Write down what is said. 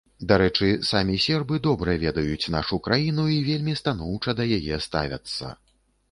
Дарэчы, самі сербы добра ведаюць нашу краіну і вельмі станоўча да яе ставяцца.